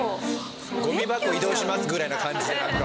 ゴミ箱移動しますぐらいな感じでなんか。